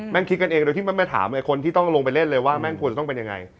งคิดกันเองโดยที่แม่ถามไอ้คนที่ต้องลงไปเล่นเลยว่าแม่งควรจะต้องเป็นยังไง